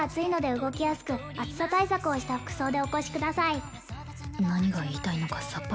「動きやすく暑さ対策をした服装でお越しください」